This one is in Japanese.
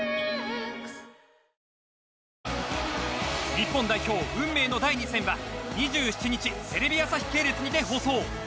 日本代表運命の第２戦は２７日テレビ朝日系列にて放送。